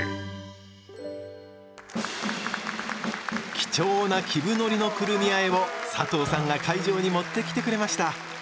貴重な「木生海苔のくるみ和え」も佐藤さんが会場に持ってきてくれました